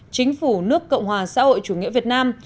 chính phủ nước cộng hòa xã hội chủ nghĩa việt nam